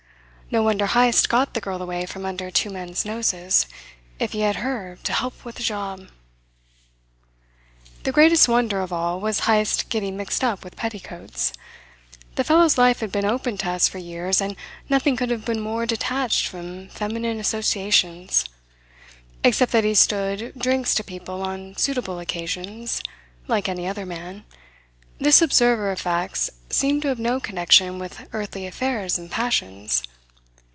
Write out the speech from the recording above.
No wonder Heyst got the girl away from under two men's noses, if he had her to help with the job! The greatest wonder, after all, was Heyst getting mixed up with petticoats. The fellow's life had been open to us for years and nothing could have been more detached from feminine associations. Except that he stood drinks to people on suitable occasions, like any other man, this observer of facts seemed to have no connection with earthly affairs and passions.